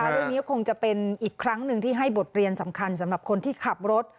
เรื่องนี้ก็คงจะเป็นอีกครั้งหนึ่งที่ให้บทเรียนสำคัญสำหรับคนที่ขับรถ